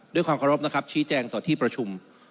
ด้วยความเคารพนะครับชี้แจงต่อที่ประชุม